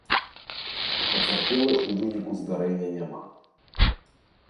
Пацярпелых у выніку здарэння няма.